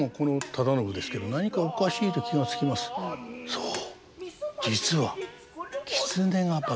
そう。